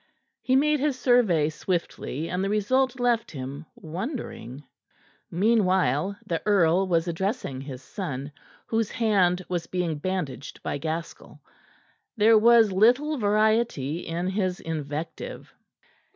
He made his survey swiftly, and the result left him wondering. Meanwhile the earl was addressing his son, whose hand was being bandaged by Gaskell. There was little variety in his invective.